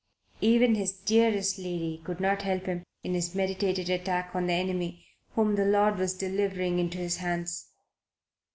Even his dearest lady could not help him in his meditated attack on the enemy whom the Lord was delivering into his hands.